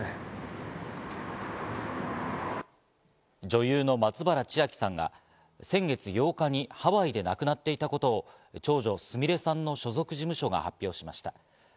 女優の松原千明さんが先月８日にハワイで亡くなっていたことを長女・すみれさんの所属事務所が発表しました。